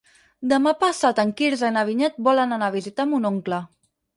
Demà passat en Quirze i na Vinyet volen anar a visitar mon oncle.